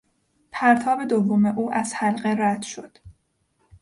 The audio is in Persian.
پرتاب دوم او از حلقه رد شد.